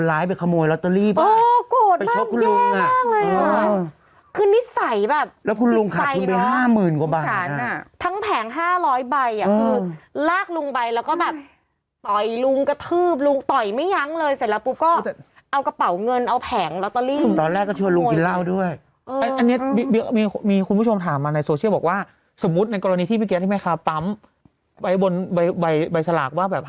อันนี้ไม่รู้เหมือนกันเพราะไม่รู้จะตรวจสอบยังไงว่าอันนี้มาจับ